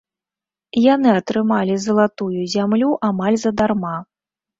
Яны атрымалі залатую зямлю амаль задарма.